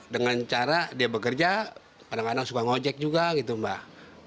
dengan cara dia bekerja kadang kadang suka ngojek juga gitu mbak